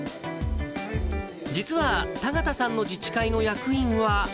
実は田形さんの自治会の役員は。